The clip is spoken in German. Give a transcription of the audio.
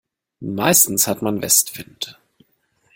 Meistens hat man Westwind.